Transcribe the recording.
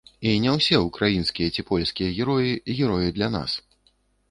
І не ўсе ўкраінскія ці польскія героі, героі для нас.